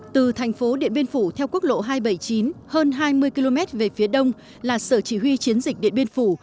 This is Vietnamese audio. từ thành phố điện biên phủ theo quốc lộ hai trăm bảy mươi chín hơn hai mươi km về phía đông là sở chỉ huy chiến dịch điện biên phủ